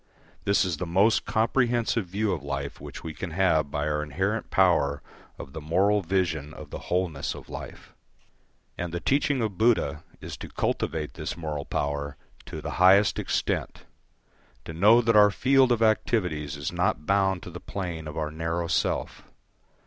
This is the most comprehensive view of life which we can have by our inherent power of the moral vision of the wholeness of life. And the teaching of Buddha is to cultivate this moral power to the highest extent, to know that our field of activities is not bound to the plane of our narrow self.